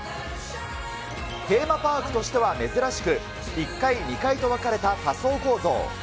テーマパークとしては珍しく、１階、２階と分かれた多層構造。